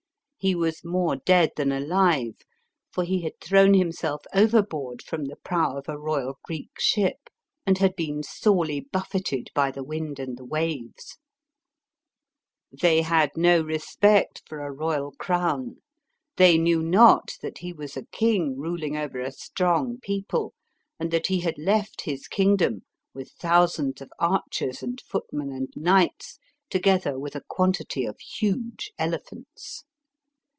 He was more dead than alive, for he had thrown himself overboard, from the prow of a royal Greek ship, and had bSen sorely buffeted by the wind and the waves. They had no respect for a royal B.C. 281.] PYRRHUS, KING OF EPIRUS. 155 crown ; they knew not, that he was a king ruling over a strong people, and tjiat he had left his kingdom, with thousands of archers and footmen and knights, together with a quantity of huge elephants.